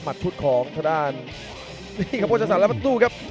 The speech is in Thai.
หมัดพุทธของด้านนี่ครับพจสาธารพัตตุครับ